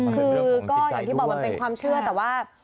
คือก็อย่างที่บอกมันเป็นความเชื่อแต่ว่า